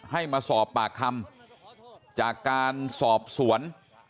ให้มาสอบปากคำจากการสอบสวน